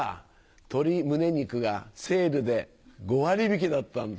鶏胸肉がセールで５割引きだった。